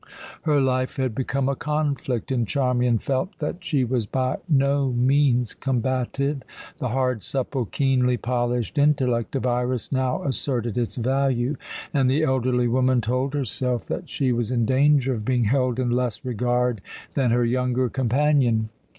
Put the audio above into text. Her life had become a conflict, and Charmian felt that she was by no means combative. The hard, supple, keenly polished intellect of Iras now asserted its value, and the elderly woman told herself that she was in danger of being held in less regard than her younger companion.